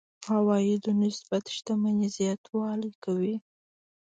عوایدو نسبت شتمنۍ زياتوالی کوي.